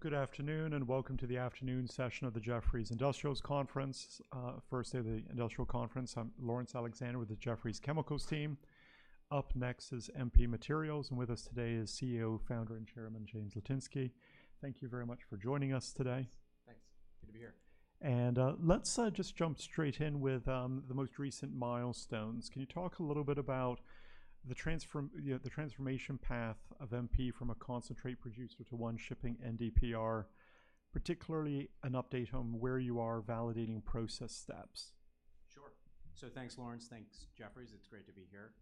Good afternoon, and welcome to the afternoon session of the Jefferies Industrials Conference, first day of the Industrials Conference. I'm Laurence Alexander with the Jefferies Chemicals team. Up next is MP Materials, and with us today is CEO, Founder, and Chairman James Litinsky. Thank you very much for joining us today. Thanks. Good to be here. Let's just jump straight in with the most recent milestones. Can you talk a little bit about the transformation path of MP from a concentrate producer to one shipping NdPr, particularly an update on where you are validating process steps? Sure. So thanks, Laurence. Thanks, Jefferies. It's great to be here.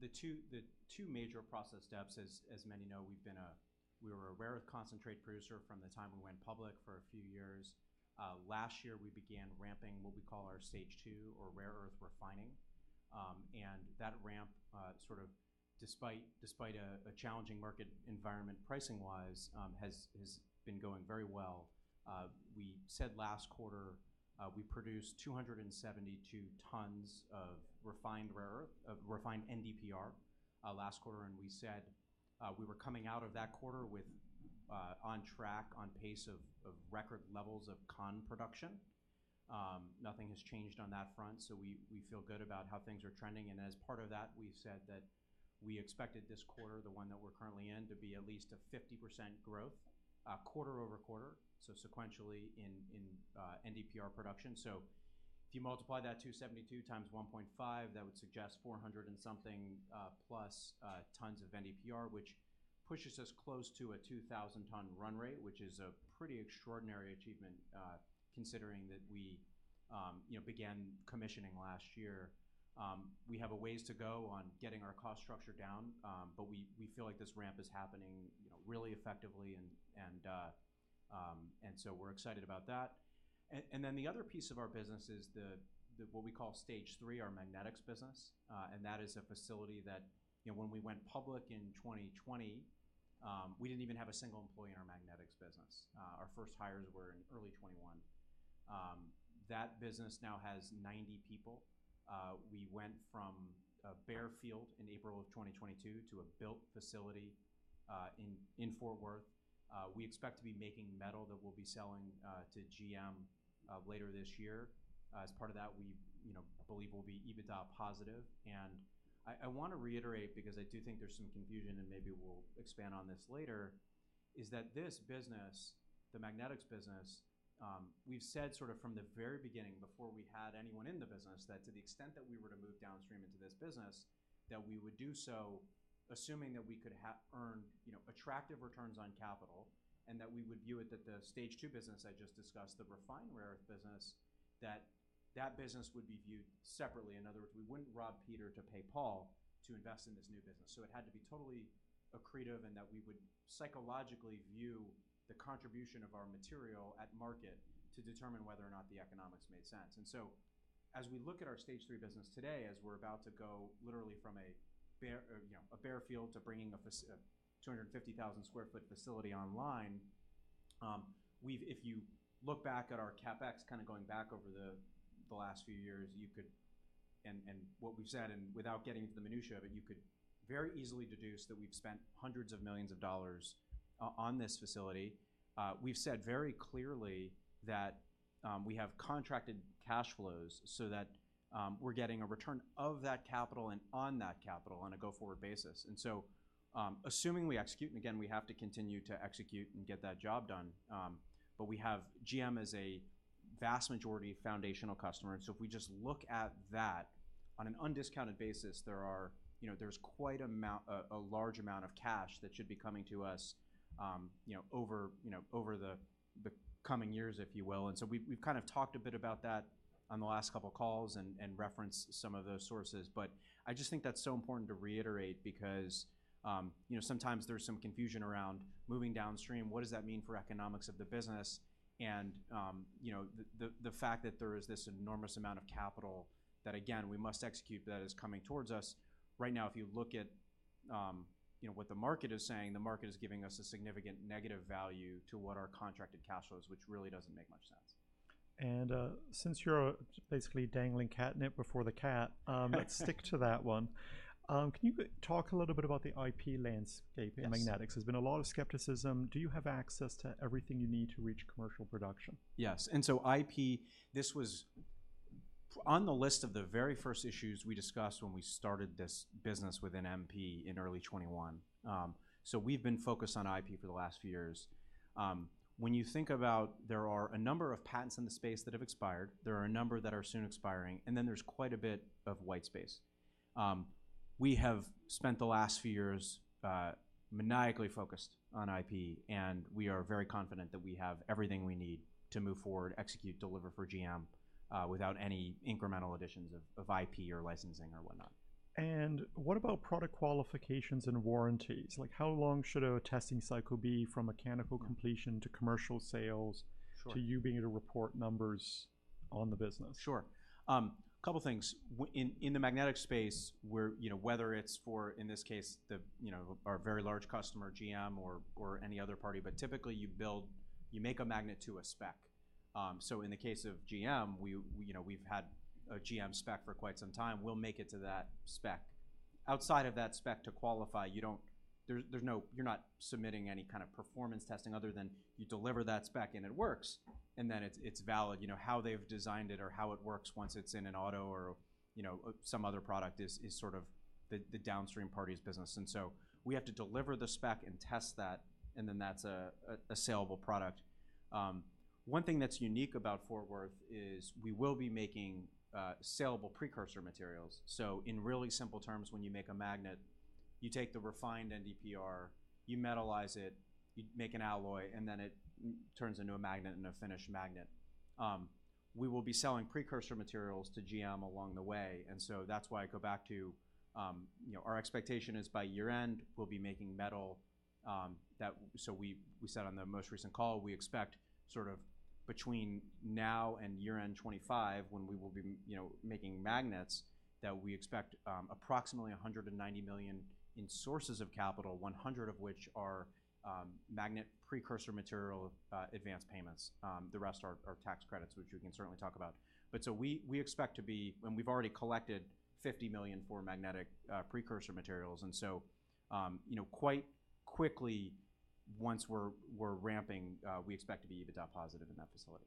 The two major process steps, as many know, we were a rare earth concentrate producer from the time we went public for a few years. Last year, we began ramping what we call our Stage II or rare earth refining. And that ramp sort of despite a challenging market environment, pricing-wise, has been going very well. We said last quarter we produced 272 tons of refined rare earth of refined NdPr last quarter, and we said we were coming out of that quarter with on track, on pace of record levels of con production. Nothing has changed on that front, so we feel good about how things are trending. As part of that, we've said that we expected this quarter, the one that we're currently in, to be at least a 50% growth quarter-over-quarter, so sequentially in NdPr production. So if you multiply that 272 x 1.5, that would suggest 400 and something plus tons of NdPr, which pushes us close to a 2,000-ton run rate, which is a pretty extraordinary achievement considering that we, you know, began commissioning last year. We have a ways to go on getting our cost structure down, but we feel like this ramp is happening, you know, really effectively, and so we're excited about that. And then the other piece of our business is the what we call Stage III, our magnetics business, and that is a facility that, you know, when we went public in 2020, we didn't even have a single employee in our magnetics business. Our first hires were in early 2021. That business now has 90 people. We went from a bare field in April of 2022 to a built facility in Fort Worth. We expect to be making metal that we'll be selling to GM later this year. As part of that, we, you know, believe we'll be EBITDA positive. I want to reiterate because I do think there's some confusion, and maybe we'll expand on this later, is that this business, the magnetics business, we've said sort of from the very beginning, before we had anyone in the business, that to the extent that we were to move downstream into this business, that we would do so assuming that we could earn, you know, attractive returns on capital, and that we would view it that the Stage II business I just discussed, the refined rare earth business, that that business would be viewed separately. In other words, we wouldn't rob Peter to pay Paul to invest in this new business. So it had to be totally accretive and that we would psychologically view the contribution of our material at market to determine whether or not the economics made sense. And so as we look at our Stage III business today, as we're about to go literally from a bare, you know, field to bringing a 250,000 sq ft facility online, if you look back at our CapEx, kind of going back over the last few years, you could, and what we've said, and without getting into the minutiae of it, you could very easily deduce that we've spent hundreds of millions of dollars on this facility. We've said very clearly that we have contracted cash flows so that we're getting a return of that capital and on that capital on a go-forward basis. And so, assuming we execute, and again, we have to continue to execute and get that job done, but we have GM as a vast majority foundational customer. And so if we just look at that on an undiscounted basis, there are, you know, there's a large amount of cash that should be coming to us, you know, over the coming years, if you will. And so we've kind of talked a bit about that on the last couple of calls and referenced some of those sources. But I just think that's so important to reiterate because, you know, sometimes there's some confusion around moving downstream. What does that mean for economics of the business? And, you know, the fact that there is this enormous amount of capital that, again, we must execute, that is coming towards us. Right now, if you look at, you know, what the market is saying, the market is giving us a significant negative value to what our contracted cash flow is, which really doesn't make much sense. Since you're basically dangling catnip before the cat, let's stick to that one. Can you talk a little bit about the IP landscape in magnetics? Yes. There's been a lot of skepticism. Do you have access to everything you need to reach commercial production? Yes. And so IP, this was one on the list of the very first issues we discussed when we started this business within MP in early 2021. So we've been focused on IP for the last few years. When you think about there are a number of patents in the space that have expired, there are a number that are soon expiring, and then there's quite a bit of white space. We have spent the last few years maniacally focused on IP, and we are very confident that we have everything we need to move forward, execute, deliver for GM without any incremental additions of IP or licensing or whatnot. What about product qualifications and warranties? Like, how long should a testing cycle be from mechanical completion to commercial sales? Sure... to you being able to report numbers on the business? Sure. A couple things. In the magnetic space, where, you know, whether it's for, in this case, the, you know, our very large customer, GM, or any other party, but typically, you build, you make a magnet to a spec. So in the case of GM, we, you know, we've had a GM spec for quite some time. We'll make it to that spec. Outside of that spec to qualify, you don't. There's no, you're not submitting any kind of performance testing other than you deliver that spec, and it works, and then it's valid. You know, how they've designed it or how it works once it's in an auto or, you know, some other product is sort of the downstream party's business. And so we have to deliver the spec and test that, and then that's a sellable product. One thing that's unique about Fort Worth is we will be making sellable precursor materials. So in really simple terms, when you make a magnet, you take the refined NdPr, you metallize it, you make an alloy, and then it turns into a magnet and a finished magnet. We will be selling precursor materials to GM along the way, and so that's why I go back to, you know, our expectation is by year-end, we'll be making metal, that... So we said on the most recent call, we expect sort of between now and year-end 2025, when we will be, you know, making magnets, that we expect approximately $190 million in sources of capital, $100 million of which are magnet precursor material advance payments. The rest are tax credits, which we can certainly talk about. But we expect to be, and we've already collected $50 million for magnetic precursor materials, and so, you know, quite quickly, once we're ramping, we expect to be EBITDA positive in that facility.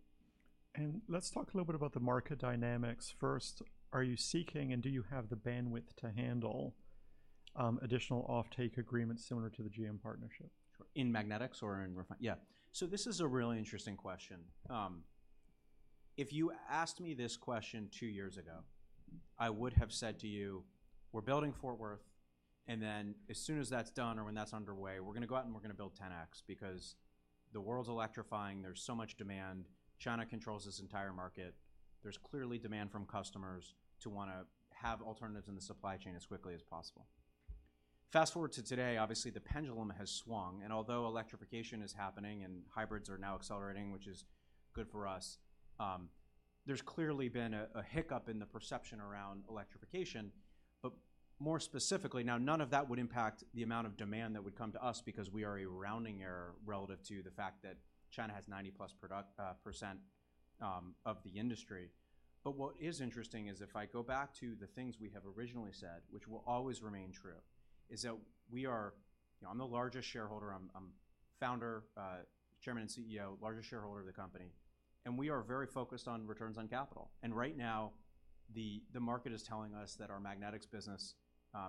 Let's talk a little bit about the market dynamics. First, are you seeking, and do you have the bandwidth to handle, additional offtake agreements similar to the GM partnership? In magnetics or in refine? Yeah. So this is a really interesting question. If you asked me this question two years ago, I would have said to you, "We're building Fort Worth, and then as soon as that's done or when that's underway, we're going to go out and we're going to build ten X because the world's electrifying. There's so much demand. China controls this entire market. There's clearly demand from customers to want to have alternatives in the supply chain as quickly as possible." Fast forward to today, obviously, the pendulum has swung, and although electrification is happening and hybrids are now accelerating, which is good for us, there's clearly been a hiccup in the perception around electrification. But more specifically, now, none of that would impact the amount of demand that would come to us because we are a rounding error relative to the fact that China has 90%+ of the industry. But what is interesting is if I go back to the things we have originally said, which will always remain true, is that we are. You know, I'm the largest shareholder. I'm founder, Chairman, and CEO, largest shareholder of the company, and we are very focused on returns on capital. And right now, the market is telling us that our magnetics business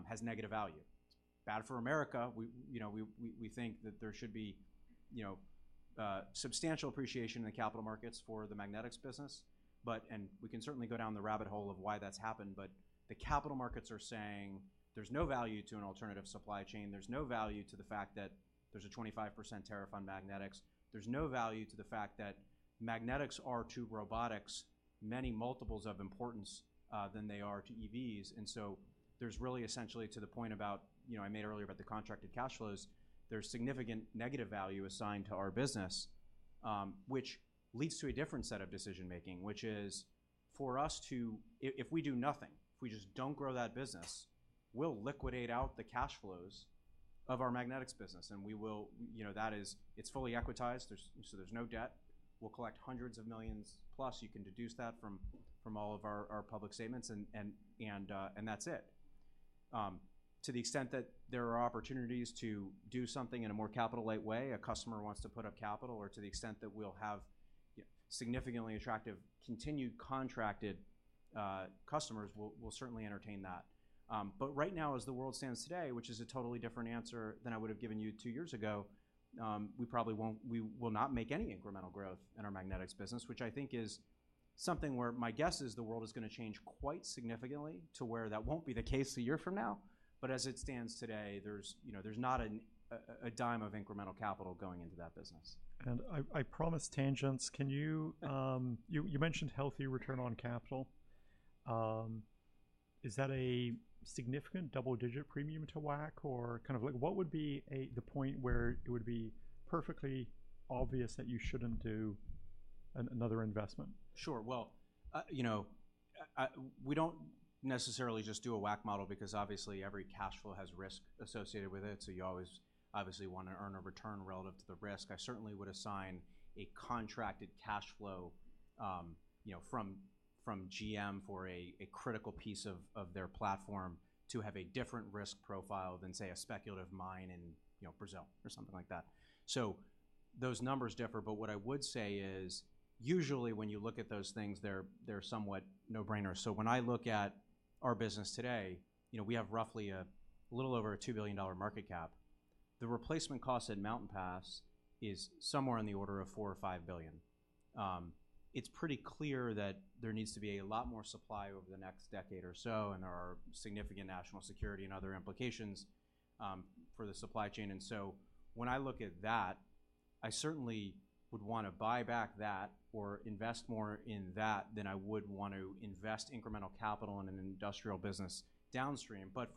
has negative value. Bad for America. We, you know, we think that there should be, you know, substantial appreciation in the capital markets for the magnetics business. But, and we can certainly go down the rabbit hole of why that's happened, but the capital markets are saying there's no value to an alternative supply chain. There's no value to the fact that there's a 25% tariff on magnetics. There's no value to the fact that magnetics are to robotics many multiples of importance than they are to EVs. And so there's really essentially to the point about, you know, I made earlier about the contracted cash flows, there's significant negative value assigned to our business, which leads to a different set of decision-making, which is for us to if we do nothing, if we just don't grow that business, we'll liquidate out the cash flows of our magnetics business, and we will. You know, that is, it's fully equitized. There's so there's no debt. We'll collect hundreds of millions, plus you can deduce that from all of our public statements, and that's it. To the extent that there are opportunities to do something in a more capital-light way, a customer wants to put up capital or to the extent that we'll have significantly attractive continued contracted customers, we'll certainly entertain that. But right now, as the world stands today, which is a totally different answer than I would have given you two years ago, we probably won't, we will not make any incremental growth in our magnetics business, which I think is something where my guess is the world is going to change quite significantly to where that won't be the case a year from now. But as it stands today, you know, there's not a dime of incremental capital going into that business. I promise tangents. Can you? You mentioned healthy return on capital. Is that a significant double-digit premium to WACC? Or kind of like, what would be the point where it would be perfectly obvious that you shouldn't do another investment? Sure. Well, you know, we don't necessarily just do a WACC model because obviously every cash flow has risk associated with it, so you always obviously want to earn a return relative to the risk. I certainly would assign a contracted cash flow, you know, from GM for a critical piece of their platform to have a different risk profile than, say, a speculative mine in, you know, Brazil or something like that. So those numbers differ, but what I would say is, usually, when you look at those things, they're somewhat no-brainers. So when I look at our business today, you know, we have roughly a little over a $2 billion market cap. The replacement cost at Mountain Pass is somewhere in the order of $4 billion-$5 billion. It's pretty clear that there needs to be a lot more supply over the next decade or so, and there are significant national security and other implications for the supply chain. And so when I look at that, I certainly would want to buy back that or invest more in that than I would want to invest incremental capital in an industrial business downstream. But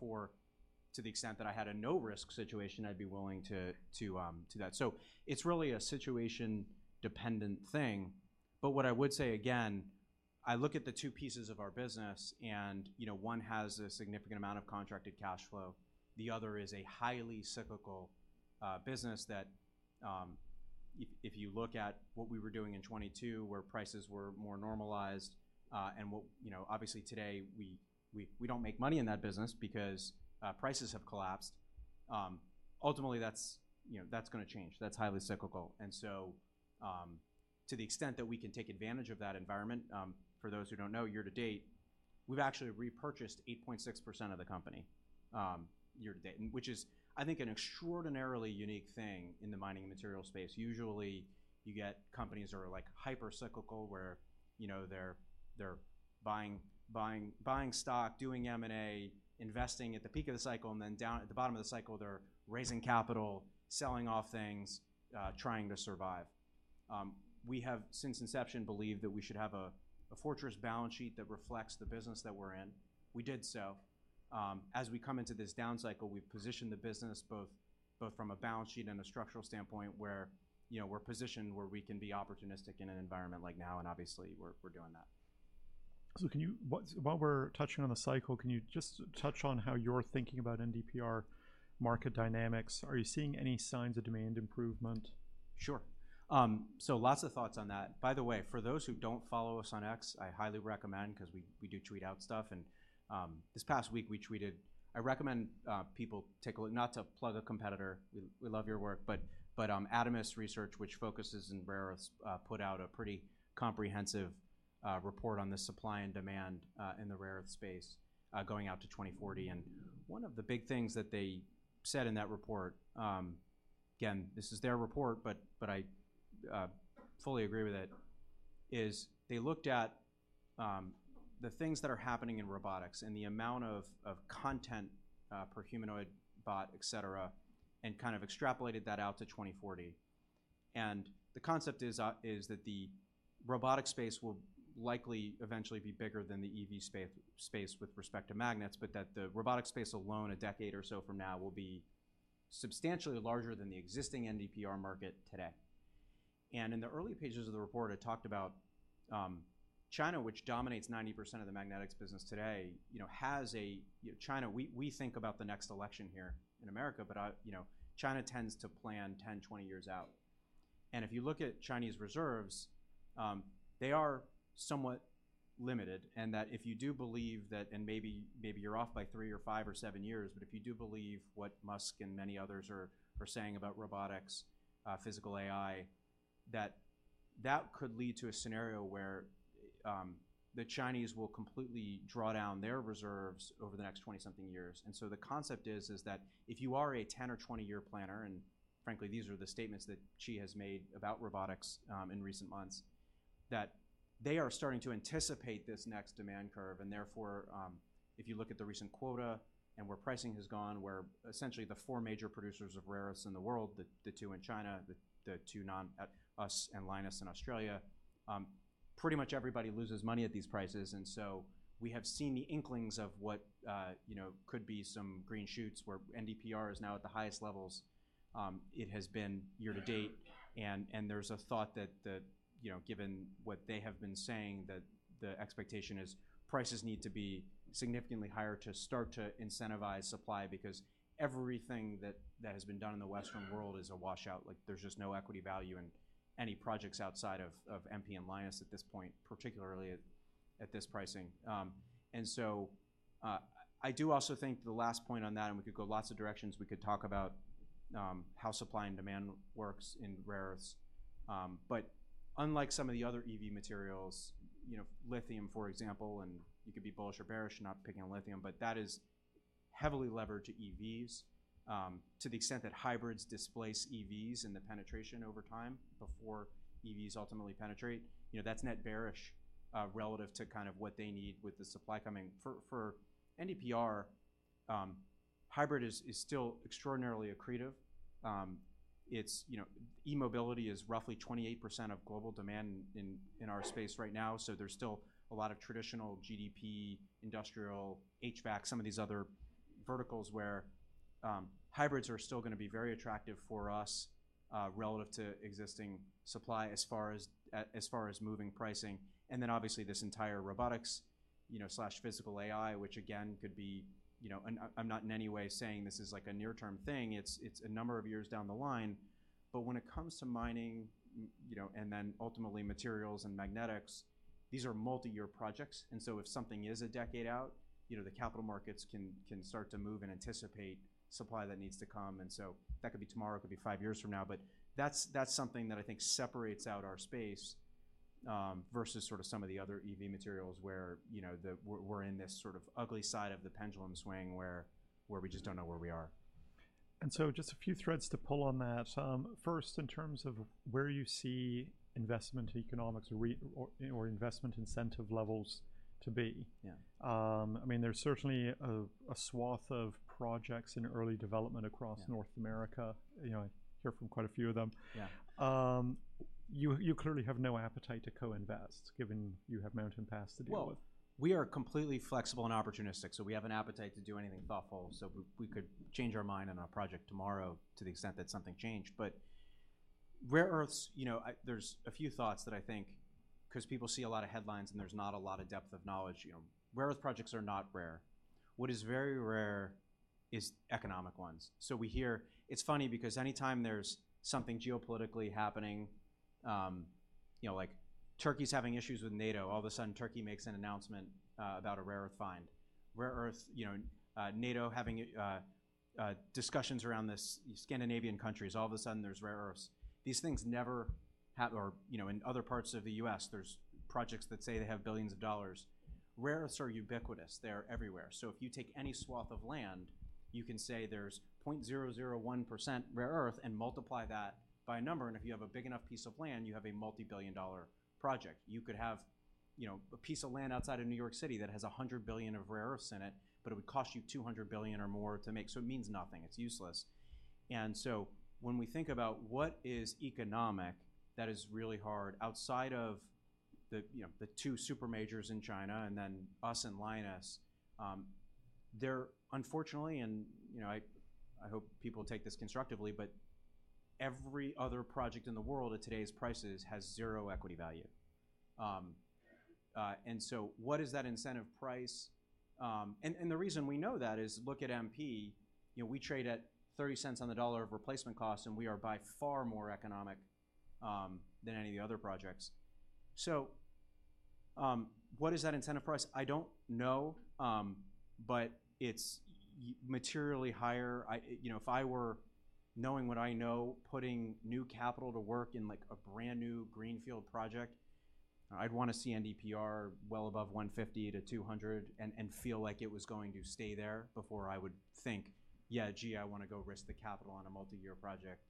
to the extent that I had a no-risk situation, I'd be willing to do that. So it's really a situation-dependent thing. But what I would say, again, I look at the two pieces of our business, and, you know, one has a significant amount of contracted cash flow... The other is a highly cyclical business that, if you look at what we were doing in 2022, where prices were more normalized, and what you know, obviously today, we don't make money in that business because prices have collapsed. Ultimately, that's you know, that's gonna change. That's highly cyclical. And so, to the extent that we can take advantage of that environment, for those who don't know, year to date, we've actually repurchased 8.6% of the company, which is, I think, an extraordinarily unique thing in the mining and materials space. Usually, you get companies that are, like, hyper cyclical, where, you know, they're buying, buying, buying stock, doing M&A, investing at the peak of the cycle, and then down at the bottom of the cycle, they're raising capital, selling off things, trying to survive. We have, since inception, believed that we should have a fortress balance sheet that reflects the business that we're in. We did so. As we come into this down cycle, we've positioned the business both from a balance sheet and a structural standpoint where, you know, we're positioned where we can be opportunistic in an environment like now, and obviously, we're doing that. So, while we're touching on the cycle, can you just touch on how you're thinking about NdPr market dynamics? Are you seeing any signs of demand improvement? Sure, so lots of thoughts on that. By the way, for those who don't follow us on X, I highly recommend because we, we do tweet out stuff, and this past week we tweeted. I recommend people take a look, not to plug a competitor, we, we love your work, but, but Adamas Research, which focuses in rare earths, put out a pretty comprehensive report on the supply and demand in the rare earth space, going out to 2040. And one of the big things that they said in that report, again, this is their report, but, but I fully agree with it, is they looked at the things that are happening in robotics and the amount of content per humanoid bot, et cetera, and kind of extrapolated that out to 2040. The concept is that the robotic space will likely eventually be bigger than the EV space with respect to magnets, but that the robotic space alone, a decade or so from now, will be substantially larger than the existing NdPr market today. In the early pages of the report, it talked about China, which dominates 90% of the magnetics business today, you know, has a... You know, China, we think about the next election here in America, but you know, China tends to plan 10, 20 years out. And if you look at Chinese reserves, they are somewhat limited, and that if you do believe that, and maybe you're off by three or five or seven years, but if you do believe what Musk and many others are saying about robotics, physical AI, that could lead to a scenario where the Chinese will completely draw down their reserves over the next 20-something years. And so the concept is that if you are a 10 or 20-year planner, and frankly, these are the statements that Xi has made about robotics in recent months, that they are starting to anticipate this next demand curve, and therefore, if you look at the recent quota and where pricing has gone, where essentially the four major producers of rare earths in the world, the two in China, the two non-U.S. and Lynas in Australia, pretty much everybody loses money at these prices. And so we have seen the inklings of what you know could be some green shoots, where NdPr is now at the highest levels it has been year-to-date. And there's a thought that, you know, given what they have been saying, that the expectation is prices need to be significantly higher to start to incentivize supply, because everything that has been done in the Western world is a washout. Like, there's just no equity value in any projects outside of MP and Lynas at this point, particularly at this pricing. And so, I do also think the last point on that, and we could go lots of directions, we could talk about how supply and demand works in rare earths, but unlike some of the other EV materials, you know, lithium, for example, and you could be bullish or bearish, you're not picking on lithium, but that is heavily levered to EVs. To the extent that hybrids displace EVs and the penetration over time before EVs ultimately penetrate, you know, that's net bearish relative to kind of what they need with the supply coming. For NdPr, hybrid is still extraordinarily accretive. It's, you know, e-mobility is roughly 28% of global demand in our space right now, so there's still a lot of traditional GDP, industrial, HVAC, some of these other verticals where hybrids are still gonna be very attractive for us relative to existing supply as far as moving pricing. Then obviously, this entire robotics, you know, slash physical AI, which again, could be, you know. I'm not in any way saying this is like a near-term thing. It's a number of years down the line. But when it comes to mining, you know, and then ultimately materials and magnetics, these are multi-year projects, and so if something is a decade out, you know, the capital markets can start to move and anticipate supply that needs to come. And so that could be tomorrow, it could be five years from now, but that's something that I think separates out our space versus sort of some of the other EV materials where, you know, we're in this sort of ugly side of the pendulum swing where we just don't know where we are. And so just a few threads to pull on that. First, in terms of where you see investment economics re-- or, or investment incentive levels to be- Yeah. I mean, there's certainly a swath of projects in early development across- Yeah... North America. You know, I hear from quite a few of them. Yeah. You clearly have no appetite to co-invest, given you have Mountain Pass to deal with. We are completely flexible and opportunistic, so we have an appetite to do anything thoughtful. So we could change our mind on a project tomorrow to the extent that something changed. But, rare earths, you know, there's a few thoughts that I think, 'cause people see a lot of headlines, and there's not a lot of depth of knowledge, you know. Rare earth projects are not rare. What is very rare is economic ones. So we hear. It's funny because anytime there's something geopolitically happening, you know, like Turkey's having issues with NATO, all of a sudden, Turkey makes an announcement, about a rare earth find. Rare earth, you know, NATO having, discussions around this, Scandinavian countries, all of a sudden, there's rare earths. You know, in other parts of the U.S., there are projects that say they have billions of dollars. Rare earths are ubiquitous. They're everywhere. So if you take any swath of land, you can say there's 0.001% rare earth and multiply that by a number, and if you have a big enough piece of land, you have a multi-billion-dollar project. You could have, you know, a piece of land outside of New York City that has $100 billion of rare earths in it, but it would cost you $200 billion or more to make. So it means nothing. It's useless. And so when we think about what is economic, that is really hard. Outside of the two super majors in China and then us and Lynas, they're unfortunately, and, you know, I hope people take this constructively, but every other project in the world at today's prices has zero equity value. And so what is that incentive price? And the reason we know that is look at MP. You know, we trade at thirty cents on the dollar of replacement costs, and we are by far more economic than any of the other projects. So, what is that incentive price? I don't know, but it's materially higher. I... You know, if I were knowing what I know, putting new capital to work in, like, a brand-new greenfield project, I'd want to see NdPr well above 150 to 200 and feel like it was going to stay there before I would think, "Yeah, gee, I want to go risk the capital on a multi-year project,"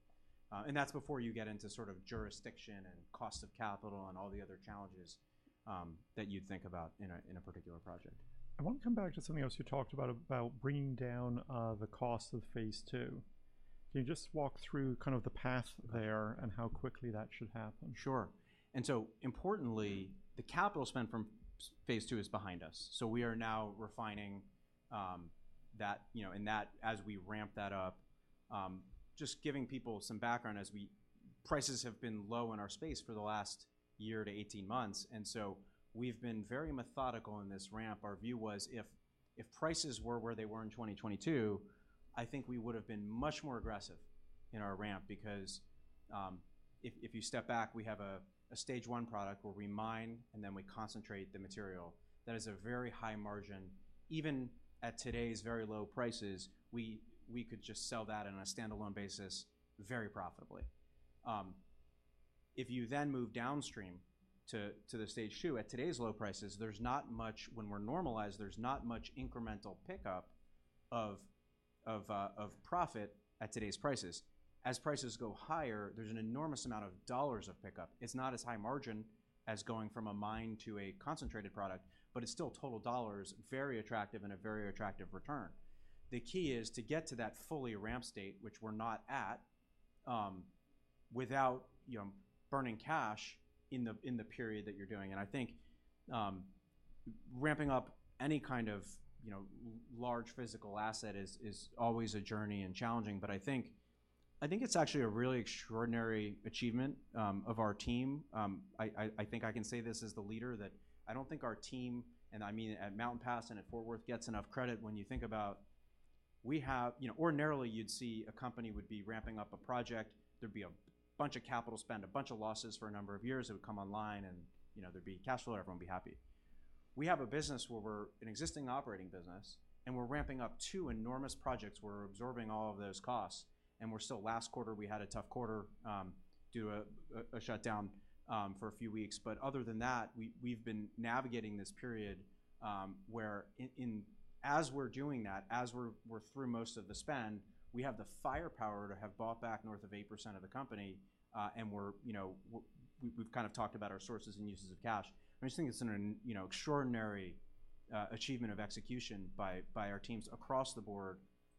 and that's before you get into sort of jurisdiction and cost of capital and all the other challenges that you'd think about in a particular project. I want to come back to something else you talked about, about bringing down the cost of phase II. Can you just walk through kind of the path there and how quickly that should happen? Sure, and so importantly, the capital spent from Stage II is behind us, so we are now refining that, you know, and that as we ramp that up, just giving people some background. Prices have been low in our space for the last year to 18 months, and so we've been very methodical in this ramp. Our view was if prices were where they were in 2022, I think we would have been much more aggressive in our ramp because, if you step back, we have a Stage I product where we mine and then we concentrate the material. That is a very high margin. Even at today's very low prices, we could just sell that on a standalone basis very profitably. If you then move downstream to the Stage II, at today's low prices, there's not much – when we're normalized, there's not much incremental pickup of profit at today's prices. As prices go higher, there's an enormous amount of dollars of pickup. It's not as high margin as going from a mine to a concentrated product, but it's still total dollars, very attractive and a very attractive return. The key is to get to that fully ramp state, which we're not at, without, you know, burning cash in the period that you're doing. I think ramping up any kind of, you know, large physical asset is always a journey and challenging, but I think it's actually a really extraordinary achievement of our team. I think I can say this as the leader, that I don't think our team, and I mean at Mountain Pass and at Fort Worth, gets enough credit when you think about we have. You know, ordinarily, you'd see a company would be ramping up a project. There'd be a bunch of capital spend, a bunch of losses for a number of years. It would come online and, you know, there'd be cash flow, everyone would be happy. We have a business where we're an existing operating business, and we're ramping up two enormous projects. We're absorbing all of those costs, and we're still. Last quarter, we had a tough quarter due to a shutdown for a few weeks. But other than that, we've been navigating this period, where, in, as we're doing that, as we're through most of the spend, we have the firepower to have bought back north of 8% of the company. And we're, you know, we've kind of talked about our sources and uses of cash. I just think it's an, you know, extraordinary achievement of execution by our teams across the board.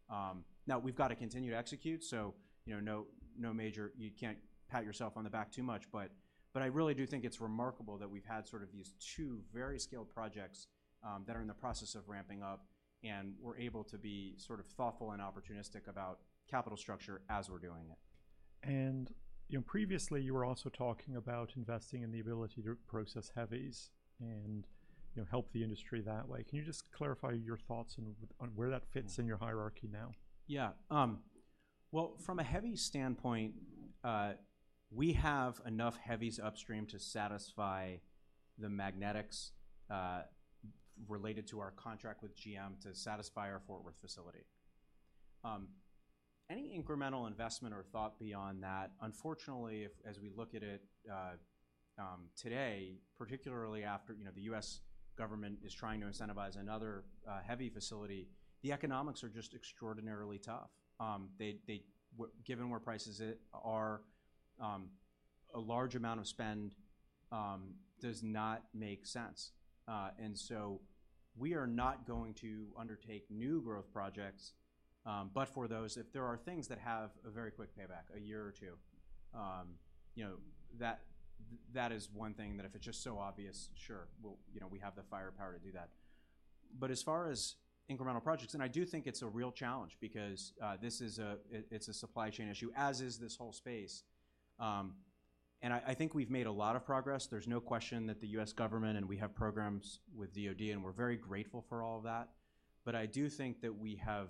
Now we've got to continue to execute, so, you know, no major- you can't pat yourself on the back too much. But I really do think it's remarkable that we've had sort of these two very scaled projects, that are in the process of ramping up, and we're able to be sort of thoughtful and opportunistic about capital structure as we're doing it. You know, previously, you were also talking about investing in the ability to process heavies and, you know, help the industry that way. Can you just clarify your thoughts and on where that fits in your hierarchy now? Yeah. Well, from a heavies standpoint, we have enough heavies upstream to satisfy the magnetics related to our contract with GM to satisfy our Fort Worth facility. Any incremental investment or thought beyond that, unfortunately, as we look at it today, particularly after, you know, the U.S. government is trying to incentivize another heavy facility, the economics are just extraordinarily tough. Given where prices are, a large amount of spend does not make sense. And so we are not going to undertake new growth projects, but for those, if there are things that have a very quick payback, a year or two, you know, that is one thing that if it's just so obvious, sure, we'll, you know, we have the firepower to do that. But as far as incremental projects, and I do think it's a real challenge because this is a, it, it's a supply chain issue, as is this whole space. And I think we've made a lot of progress. There's no question that the U.S. government, and we have programs with DoD, and we're very grateful for all of that. But I do think that we have,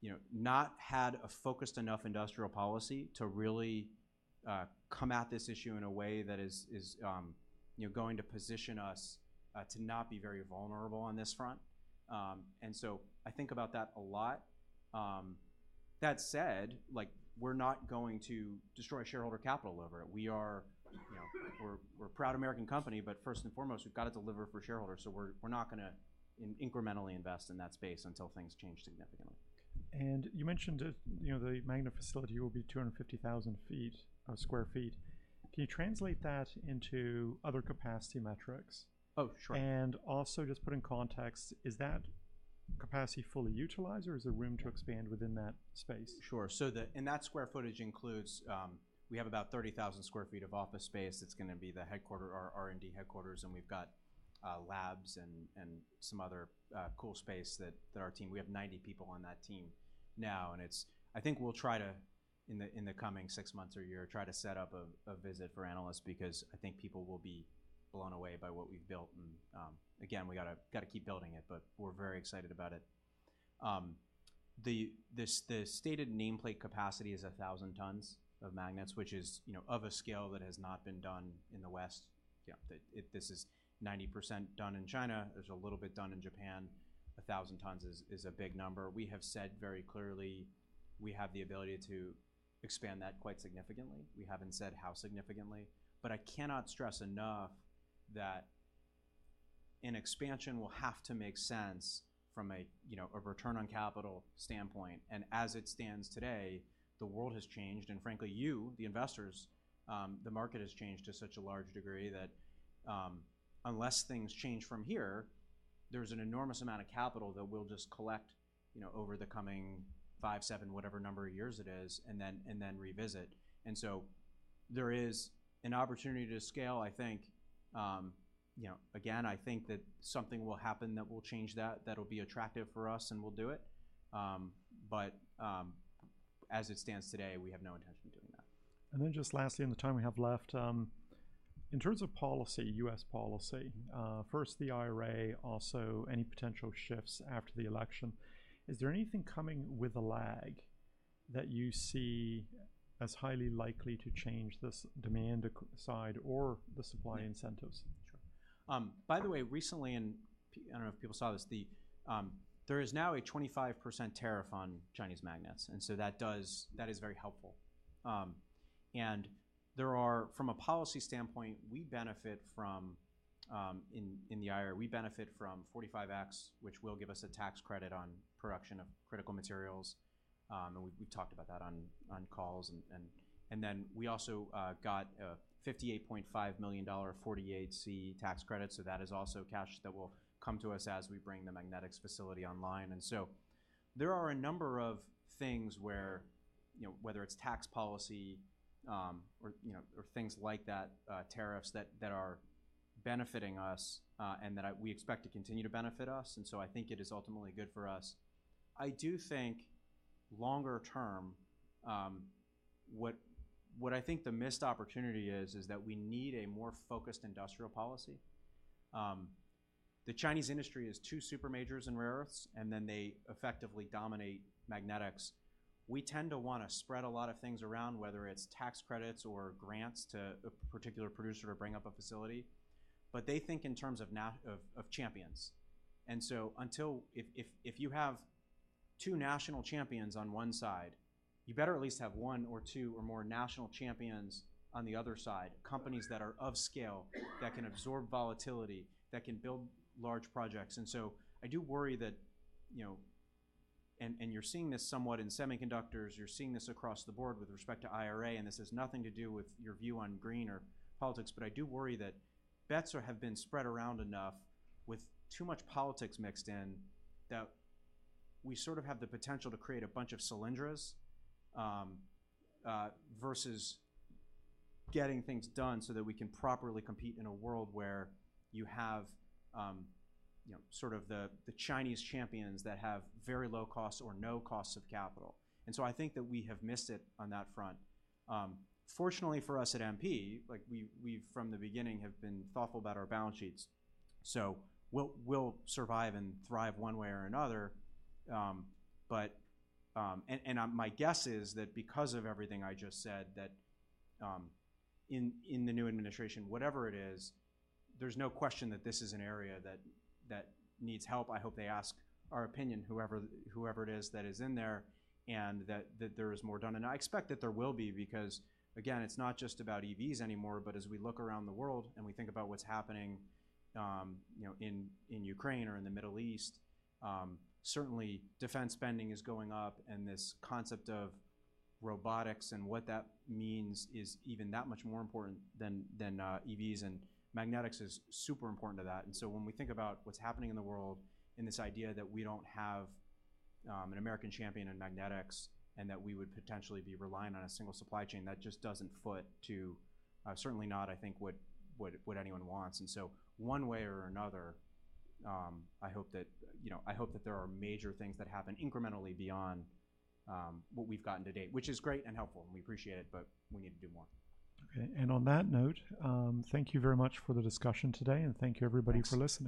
you know, not had a focused enough industrial policy to really come at this issue in a way that is, is, you know, going to position us to not be very vulnerable on this front. And so I think about that a lot. That said, like, we're not going to destroy shareholder capital over it. We are, you know, we're a proud American company, but first and foremost, we've got to deliver for shareholders. So we're not gonna incrementally invest in that space until things change significantly. You mentioned that, you know, the magnet facility will be 250,000 sq ft. Can you translate that into other capacity metrics? Oh, sure. Also just put in context, is that capacity fully utilized or is there room to expand within that space? Sure. So and that square footage includes, we have about 30,000 sq ft of office space. It's gonna be the headquarters, our R&D headquarters, and we've got labs and some other cool space that our team. We have 90 people on that team now, and I think we'll try to, in the coming six months or a year, try to set up a visit for analysts because I think people will be blown away by what we've built. And again, we gotta keep building it, but we're very excited about it. This stated nameplate capacity is 1,000 tons of magnets, which is, you know, of a scale that has not been done in the West. Yeah, this is 90% done in China. There's a little bit done in Japan. A thousand tons is a big number. We have said very clearly, we have the ability to expand that quite significantly. We haven't said how significantly, but I cannot stress enough that an expansion will have to make sense from a, you know, a return on capital standpoint. And as it stands today, the world has changed, and frankly, you, the investors, the market has changed to such a large degree that, unless things change from here, there's an enormous amount of capital that we'll just collect, you know, over the coming five, seven, whatever number of years it is, and then revisit. And so there is an opportunity to scale, I think. You know, again, I think that something will happen that will change that, that will be attractive for us, and we'll do it. But, as it stands today, we have no intention of doing that. And then just lastly, in the time we have left, in terms of policy, U.S. policy, first, the IRA, also any potential shifts after the election, is there anything coming with a lag that you see as highly likely to change this demand equation side or the supply incentives? Sure. By the way, recently, I don't know if people saw this, there is now a 25% tariff on Chinese magnets, and so that does- that is very helpful. And there are, from a policy standpoint, we benefit from, in the IRA, we benefit from 45X, which will give us a tax credit on production of critical materials. And we talked about that on calls. And then we also got a $58.5 million 48C tax credit, so that is also cash that will come to us as we bring the magnetics facility online. And so there are a number of things where, you know, whether it's tax policy, or you know, or things like that, tariffs, that are benefiting us, and that we expect to continue to benefit us, and so I think it is ultimately good for us. I do think longer term, what I think the missed opportunity is, that we need a more focused industrial policy. The Chinese industry has two super majors in rare earths, and then they effectively dominate magnetics. We tend to want to spread a lot of things around, whether it's tax credits or grants to a particular producer to bring up a facility, but they think in terms of of champions. And so until... If you have two national champions on one side, you better at least have one or two or more national champions on the other side, companies that are of scale, that can absorb volatility, that can build large projects. So I do worry that, you know, and you're seeing this somewhat in semiconductors, you're seeing this across the board with respect to IRA, and this has nothing to do with your view on green or politics. I do worry that bets are have been spread around enough with too much politics mixed in, that we sort of have the potential to create a bunch of Solyndras versus getting things done so that we can properly compete in a world where you have, you know, sort of the Chinese champions that have very low costs or no costs of capital. I think that we have missed it on that front. Fortunately for us at MP, like we, we've from the beginning, have been thoughtful about our balance sheets. We'll survive and thrive one way or another. My guess is that because of everything I just said, in the new administration, whatever it is, there's no question that this is an area that needs help. I hope they ask our opinion, whoever it is that is in there, and that there is more done. I expect that there will be, because, again, it's not just about EVs anymore, but as we look around the world and we think about what's happening, you know, in Ukraine or in the Middle East, certainly defense spending is going up, and this concept of robotics and what that means is even that much more important than EVs. And magnetics is super important to that. And so when we think about what's happening in the world and this idea that we don't have an American champion in magnetics, and that we would potentially be relying on a single supply chain, that just doesn't foot to, certainly not, I think, what anyone wants. And so one way or another, I hope that, you know, I hope that there are major things that happen incrementally beyond what we've gotten to date, which is great and helpful, and we appreciate it, but we need to do more. Okay. And on that note, thank you very much for the discussion today, and thank you, everybody, for listening.